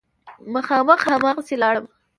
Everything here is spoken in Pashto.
مخامخ هماغسې لاړم.